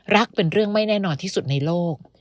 เป็นเรื่องไม่แน่นอนที่สุดในโลก